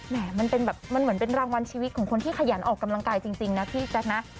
มันเป็นแบบมันเหมือนเป็นรางวัลชีวิตของคนที่ขยันออกกำลังกายจริงนะพี่แจ๊คนะ